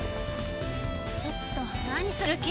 ちょっと何する気？